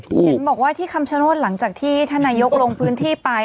เห็นบอกว่าที่คำชโนธหลังจากที่ท่านนายกลงพื้นที่ไป